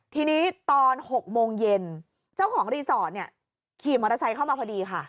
ทีนี้ตอน๖โมงเย็นเจ้าของรีสอร์ทเนี่ยขี่มอเตอร์ไซค์เข้ามาพอดีค่ะ